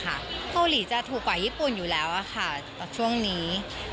เกาหลีจะถูกกว่าญี่ปุ่นอยู่แล้วค่ะแต่ช่วงนี้